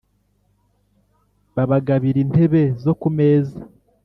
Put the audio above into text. Babagabira intebe zo ku meza!